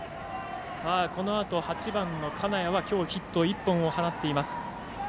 このあと８番、金谷はきょうヒット１本を放っています。